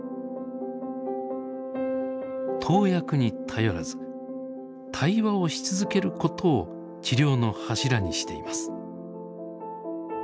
投薬に頼らず対話をし続けることを治療の柱にしています。